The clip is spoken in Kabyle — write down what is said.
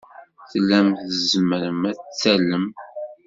Tellam tzemrem ad tallem?